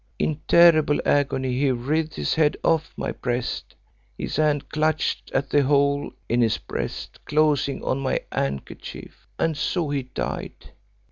In terrible agony he writhed his head off my breast. His hand clutched at the hole in his breast, closing on my handkerchief. And so he died.